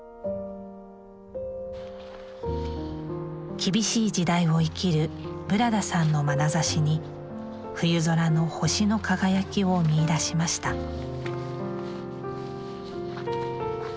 厳しい時代を生きるブラダさんのまなざしに冬空の星の輝きを見いだしました「バイバイ」。